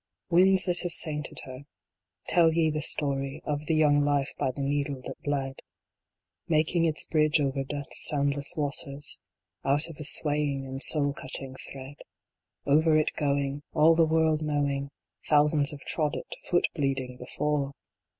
Winds that have sainted her, tell ye the story Of the young life by the needle that bled ; Making its bridge over Death s soundless waters Out of a swaying and soul cutting thread. Over it going, All the world knowing ! Thousands have trod it, foot bleeding, before